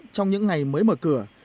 trong những ngày mới mở cửa